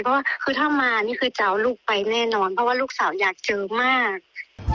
เพราะว่าคือถ้ามานี่คือจะเอาลูกไปแน่นอนเพราะว่าลูกสาวอยากเจอมาก